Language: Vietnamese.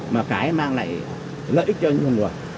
mà cái mang lại lợi ích cho nhiều người